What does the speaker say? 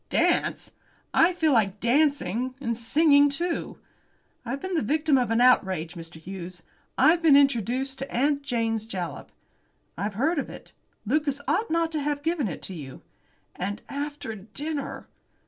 "Dance! I feel like dancing; and singing, too. I've been the victim of an outrage, Mr. Hughes. I've been introduced to 'Aunt Jane's Jalap.'" "I've heard of it. Lucas ought not to have given it you." "And after dinner!"